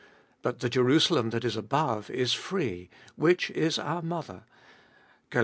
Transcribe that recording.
But the Jerusalem that is above is free, which is our mother (Gal.